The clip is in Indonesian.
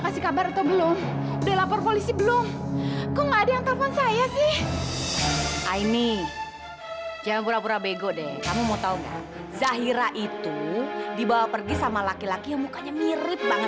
sampai jumpa di video selanjutnya